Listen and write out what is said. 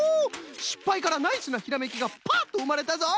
しっぱいからナイスなひらめきがパッとうまれたぞい！